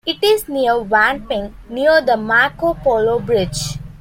It is near Wanping, near the Marco Polo Bridge.